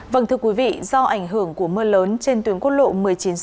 vâng thưa quý vị do ảnh hưởng của mưa lớn trên tuyến quốc lộ một mươi chín c